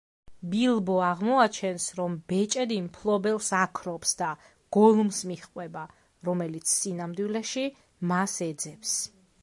ბილბო აღმოაჩენს, რომ ბეჭედი მფლობელს აქრობს და გოლუმს მიჰყვება, რომელიც სინამდვილეში მას ეძებს.